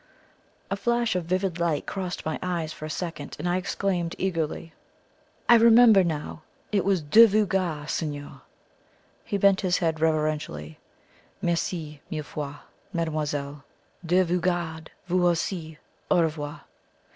A flash of vivid light crossed my eyes for a second, and I exclaimed eagerly: "I remember now! It was 'Dieu vous garde' signor!" He bent his head reverentially. "Merci mille fois, mademoiselle! Dieu vous garde vous aussi. Au revoir."